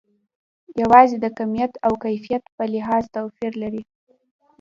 یوازې د کمیت او کیفیت په لحاظ توپیر لري.